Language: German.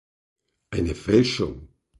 Eine Fälschung!